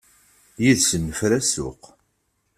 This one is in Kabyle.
Yid-sen nefra ssuq.